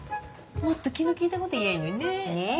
もっと気の利いたこと言やいいのにね。ねぇ。